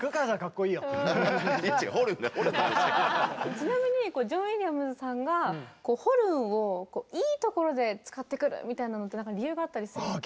ちなみにジョン・ウィリアムズさんがホルンをいいところで使ってくるみたいなのって何か理由があったりするんですか？